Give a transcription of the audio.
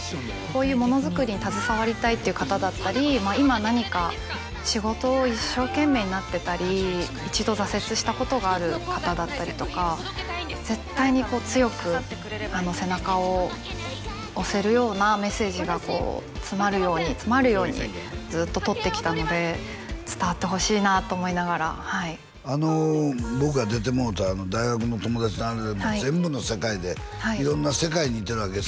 こういうものづくりに携わりたいっていう方だったり今何か仕事を一生懸命になってたり一度挫折したことがある方だったりとか絶対にこう強く背中を押せるようなメッセージがこう詰まるように詰まるようにずっと撮ってきたので伝わってほしいなと思いながら僕が出てもうた大学の友達のあれでも全部の世界で色んな世界にいてるわけよ